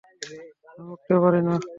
আমি উড়তে পারিনা।